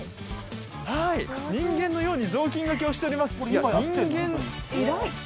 人間のように雑巾がけをしております。